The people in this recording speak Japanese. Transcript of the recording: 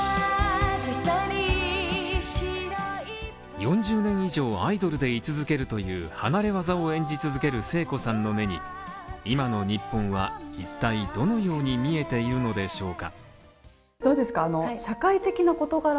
４０年以上アイドルでい続けるという離れ技を演じ続ける聖子さんの目に、今の日本は、いったいどのように見えているのでしょうか？